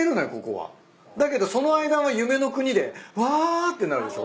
だけどその間は夢の国でうわってなるでしょ？